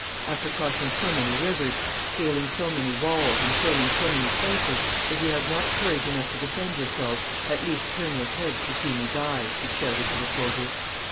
"After crossing so many rivers, scaling so many walls, and storming so many places, if you have not courage enough to defend yourselves, at least turn your heads to see me die," he shouted to the soldiers.